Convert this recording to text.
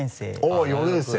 あぁ４年生。